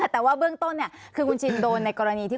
แต่ว่าเบื้องต้นคือคุณชินโดนในกรณีที่